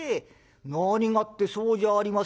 何がってそうじゃありませんか。